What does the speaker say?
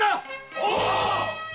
おう！